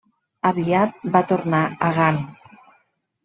Aviat van tornar a Gant.